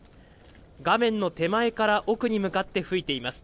画面の手前から奥に向かって吹いています。